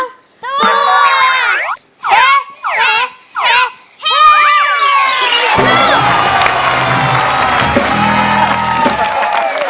เฮ้เฮ้เฮ้เฮ้